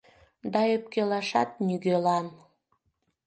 Да öпкелашат нигöлан.